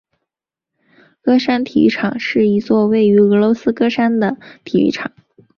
喀山体育场是一座位于俄罗斯喀山的体育场。